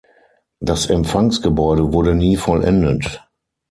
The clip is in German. Das Empfangsgebäude wurde nie vollendet.